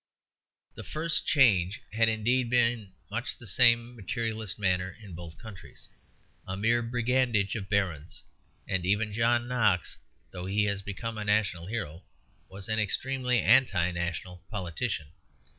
The first change had indeed been much the same materialist matter in both countries a mere brigandage of barons; and even John Knox, though he has become a national hero, was an extremely anti national politician.